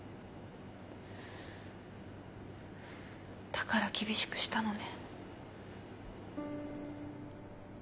だから厳しくしたのね。